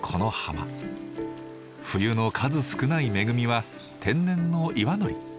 冬の数少ない恵みは天然の岩のり。